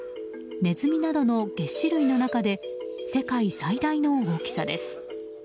ネズミなどのげっ歯類の中で世界最大の大きさです。